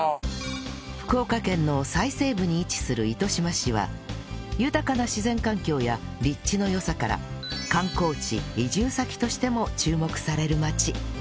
福岡県の最西部に位置する糸島市は豊かな自然環境や立地の良さから観光地移住先としても注目される街